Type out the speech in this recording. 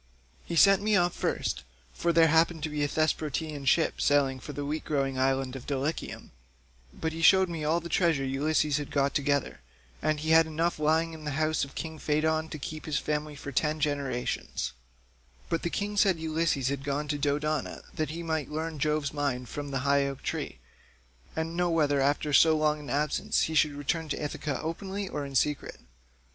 He sent me off first, for there happened to be a Thesprotian ship sailing for the wheat growing island of Dulichium, but he showed me all the treasure Ulysses had got together, and he had enough lying in the house of king Pheidon to keep his family for ten generations; but the king said Ulysses had gone to Dodona that he might learn Jove's mind from the high oak tree, and know whether after so long an absence he should return to Ithaca openly or in secret.